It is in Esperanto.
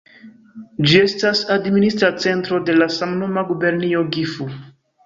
Ĝi estas administra centro de la samnoma gubernio Gifu.